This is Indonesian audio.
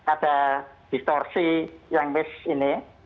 ada distorsi yang miss ini